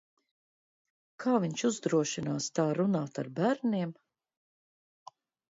Kā viņš uzdrošinās tā runāt ar bērniem?